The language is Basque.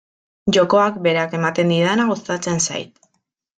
Jokoak berak ematen didana gustatzen zait.